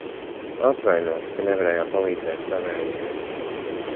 Atvaino, ka nevarējām palīdzēt tavējiem.